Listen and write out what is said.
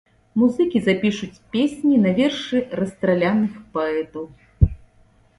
Музыкі запішуць песні на вершы расстраляных паэтаў.